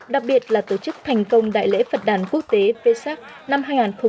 đặc biệt là tổ chức thành công đại lễ phật đàn quốc tế v sắc năm hai nghìn một mươi chín